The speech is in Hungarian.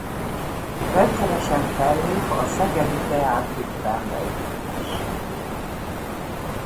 Rendszeresen fellép a Szegedi Deák Big Band együttessel.